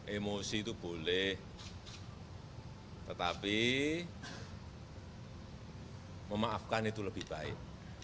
emosi itu boleh tetapi memaafkan itu lebih baik